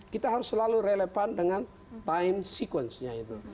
kita harus selalu relevan dengan time sekuensenya itu